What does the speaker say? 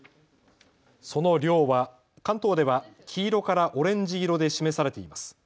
その量は関東では黄色からオレンジ色で示されています。